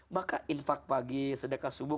maka infak pagi sedekah subuh